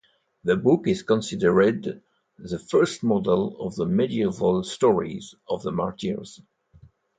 The book is considered the first model of the medieval stories of the martyrs.